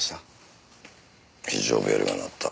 非常ベルが鳴った。